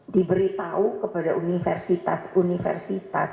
diberitahu kepada universitas universitas